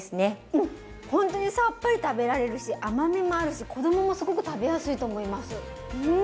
ほんとにさっぱり食べられるし甘みもあるし子供もすごく食べやすいと思いますうん。